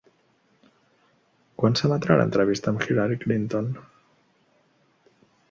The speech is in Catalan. Quan s'emetrà l'entrevista amb Hillary Clinton?